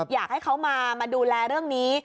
อยากให้เขามาดูแลเรื่องนี้